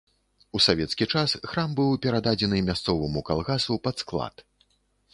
У савецкі час храм быў перададзены мясцоваму калгасу пад склад.